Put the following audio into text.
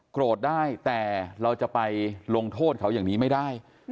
โกรธได้แต่เราจะไปลงโทษเขาอย่างนี้ไม่ได้